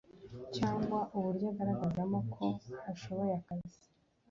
cyangwa uburyo agaragazamo ko ashoboye akazi.